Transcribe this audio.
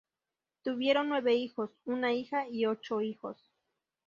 Tuvieron nueve hijos: una hija y ocho hijos.